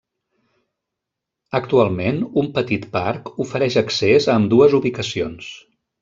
Actualment, un petit parc ofereix accés a ambdues ubicacions.